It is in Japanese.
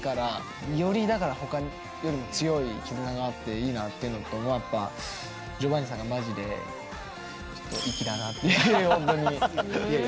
よりだから他よりも強い絆があっていいなっていうのとやっぱジョバンニさんがマジでちょっと粋だなって本当に。